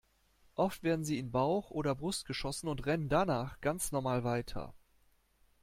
Oft werden sie in Bauch oder Brust geschossen und rennen danach ganz normal weiter.